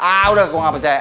ah udah gua nggak percaya